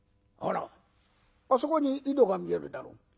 ほらあそこに井戸が見えるだろ。